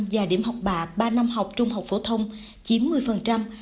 và điểm học bạ ba năm học trung học phổ thông chiếm một mươi